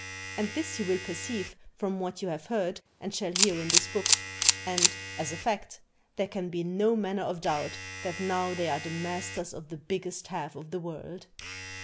And this you will perceive from what you have heard and shall hear in this book; and (as a fact) there can be no manner of doubt that now they are the masters of the biggest half of the world.